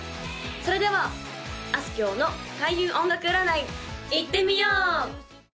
それではあすきょうの開運音楽占いいってみよう！